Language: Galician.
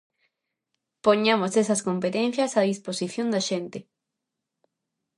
Poñamos esas competencias a disposición da xente.